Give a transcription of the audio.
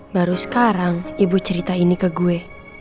baru sekarang ibu cerita ini ke gue